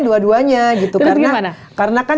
dua duanya gitu karena kan